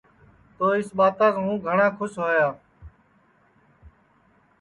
تو اِس ٻاتاس ہوں گھٹؔا کُھس ہویا